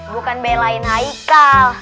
bukan belain haikal